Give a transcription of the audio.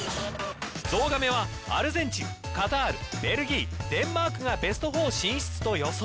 ゾウガメは、アルゼンチンカタール、ベルギーデンマークがベスト４進出と予想。